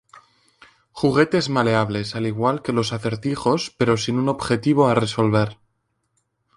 Juguetes-Maleables al igual que los acertijos pero sin un objetivo a resolver.